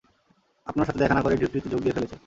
আপনার সাথে দেখা না করেই ডিউটিতে যোগ দিয়ে ফেলেছি।